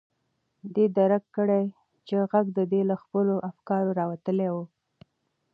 ده درک کړه چې غږ د ده له خپلو افکارو راوتلی و.